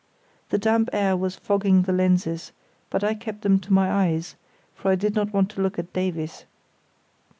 The damp air was fogging the lenses, but I kept them to my eyes; for I did not want to look at Davies.